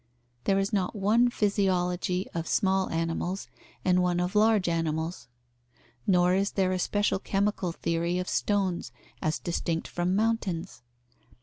There is not one physiology of small animals and one of large animals; nor is there a special chemical theory of stones as distinct from mountains.